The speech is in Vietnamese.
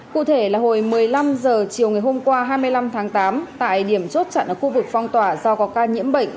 cụ thể là hồi một mươi năm h chiều ngày hôm qua hai mươi năm tháng tám tại điểm chốt chặn ở khu vực phong tỏa do có ca nhiễm bệnh